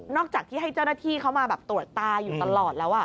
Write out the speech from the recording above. จากที่ให้เจ้าหน้าที่เขามาแบบตรวจตาอยู่ตลอดแล้ว